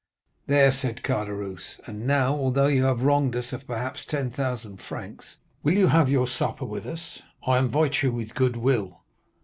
"'There,' said Caderousse; 'and now, although you have wronged us of perhaps 10,000 francs, will you have your supper with us? I invite you with good will.